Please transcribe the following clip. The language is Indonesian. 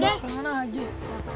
oh kemana aja